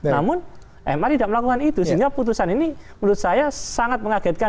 namun ma tidak melakukan itu sehingga putusan ini menurut saya sangat mengagetkan